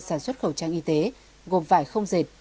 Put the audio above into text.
sản xuất khẩu trang y tế gồm vải không dệt